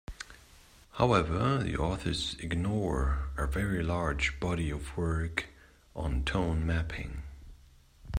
However, the authors ignore a very large body of work on tone mapping.